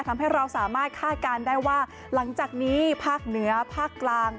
ทำให้เราสามารถคาดการณ์ได้ว่าหลังจากนี้ภาคเหนือภาคกลาง